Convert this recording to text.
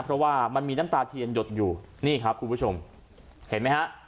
เพราะว่ามันมีน้ำตาเทียนหยดอยู่นี่ครับคุณผู้ชมเห็นไหมฮะ